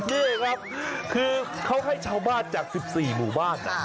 นี่ครับคือเขาให้ชาวบ้านจาก๑๔หมู่บ้าน